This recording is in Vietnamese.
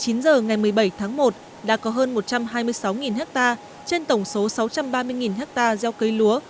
chín giờ ngày một mươi bảy tháng một đã có hơn một trăm hai mươi sáu ha trên tổng số sáu trăm ba mươi ha gieo cây lúa